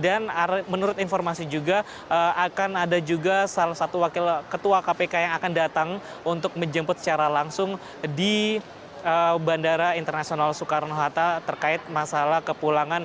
dan menurut informasi juga akan ada juga salah satu wakil ketua kpk yang akan datang untuk menjemput secara langsung di bandara internasional soekarno hatta terkait masalah kepulangan novel